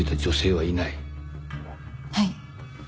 はい